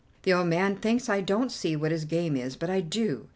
"The old man thinks I don't see what his game is, but I do.